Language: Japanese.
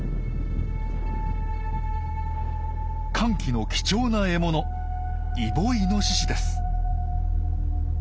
乾季の貴重な獲物イボイノシシです。